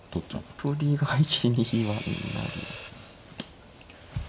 取りは気にはなります。